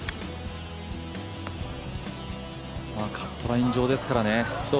カットライン上ですからね。